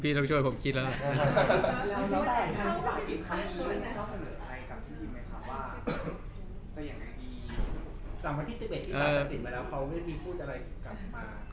พี่ต้องช่วยผมคิดแล้ว